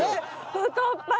太っ腹。